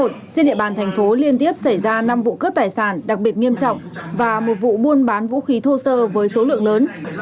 trên địa bàn thành phố liên tiếp xảy ra năm vụ cướp tài sản đặc biệt nghiêm trọng và một vụ buôn bán vũ khí thô sơ với số lượng lớn